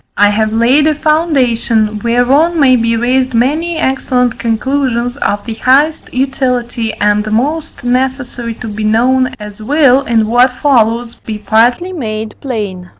I have laid a foundation, whereon may be raised many excellent conclusions of the highest utility and most necessary to be known, as will, in what follows, be partly made plain.